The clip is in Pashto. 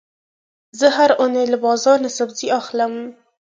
زه هره اونۍ له بازار نه سبزي اخلم.